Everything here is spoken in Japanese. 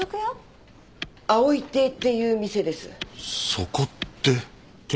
そこって。